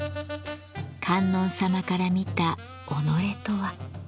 観音様から見た己とは。